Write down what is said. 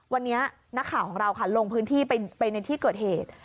วันนี้นักข่าวของเราค่ะลงพื้นที่ไปในที่เกิดเหตุ